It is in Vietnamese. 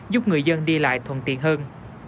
giúp người dân đi lại thuận tiện hơn